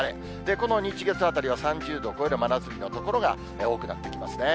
この日、月あたりは３０度を超える真夏日の所が多くなってきますね。